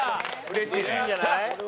嬉しいんじゃない？